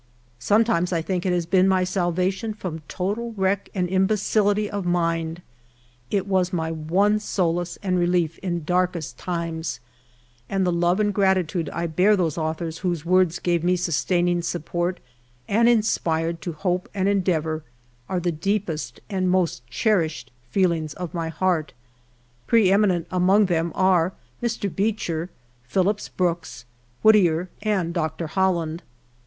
Sometimes I think it has been my salvation from total wreck and imbecility of mind ; it was my one solace and relief in darkest times, and the love and gratitude I bear those authors whose words HALF A DIME A DAY. 3J gave me sustaining support, and inspired to hope and en deavor, are the deepest and most cherished feeh'ngs of my heart. Pre eminent among them are Mr. Beecher, Phillips Brooks, Whittier, and Dr. Holland.